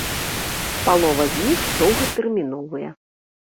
Палова з іх доўгатэрміновыя.